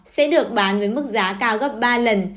sẽ được bán với mức giá cao gấp ba lần